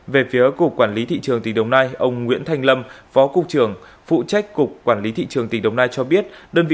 về phía cục quản lý thị trường tỉnh đồng nai ông nguyễn thanh lâm phó cục trưởng phụ trách cục quản lý thị trường tỉnh đồng nai cho biết đơn vị